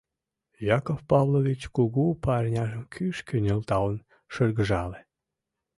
— Яков Павлович кугу парняжым кӱшкӧ нӧлталын шыргыжале.